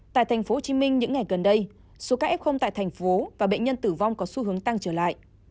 tại thành phố hồ chí minh những ngày gần đây số ca f tại thành phố và bệnh nhân tử vong có xu hướng tăng trở lại